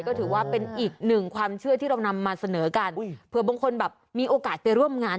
ก็ถือว่าเป็นอีกหนึ่งความเชื่อที่เรานำมาเสนอกันเผื่อบางคนแบบมีโอกาสไปร่วมงาน